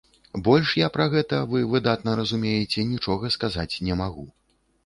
Больш я пра гэта, вы выдатна разумееце, нічога сказаць не магу.